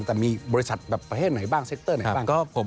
แต่มีบริษัทแบบประเทศไหนบ้างเซ็กเตอร์ไหนบ้าง